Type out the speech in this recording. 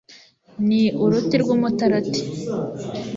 ni uruti rw'umutarati